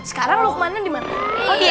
sekarang lukmannya dimana